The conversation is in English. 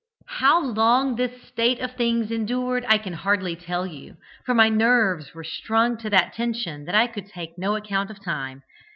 "How long this state of things endured I can hardly tell you, for my nerves were strung to that tension that I could take no account of time.